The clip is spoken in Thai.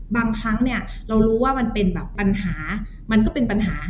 บางครั้งเนี่ยเรารู้ว่ามันเป็นแบบปัญหามันก็เป็นปัญหา